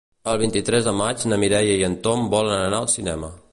El vint-i-tres de maig na Mireia i en Tom volen anar al cinema.